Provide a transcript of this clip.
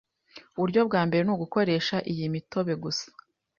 Uburyo bwa mbere ni ugukoresha iyi mitobe gusa